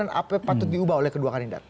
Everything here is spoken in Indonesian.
dan apa yang patut diubah oleh kedua kanindar